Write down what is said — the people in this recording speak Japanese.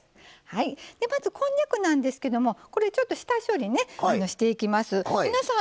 まずこんにゃくなんですけどもちょっと下処理をしていきます。